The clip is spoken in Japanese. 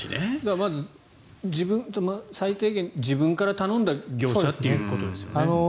まず最低限自分から頼んだ業者ということですよね。